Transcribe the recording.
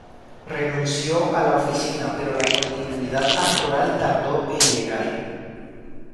Renunció a la oficina, pero la continuidad actoral tardó en llegar.